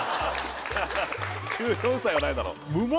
１４歳はないだろ